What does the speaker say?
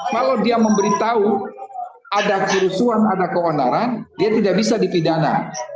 kalau dia memberitahu ada kerusuhan ada keonaran dia tidak bisa dipidana